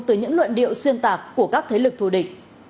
từ những luận điệu xuyên tạc của các thế lực thù địch